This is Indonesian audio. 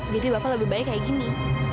jadi bapak lebih baik kayak gini